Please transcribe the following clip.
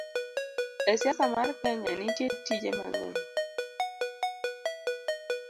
E siasa mar Kenya, nitie tije mang'eny